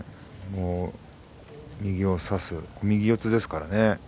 右を差す、右四つですからね。